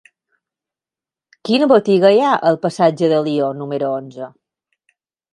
Quina botiga hi ha al passatge d'Alió número onze?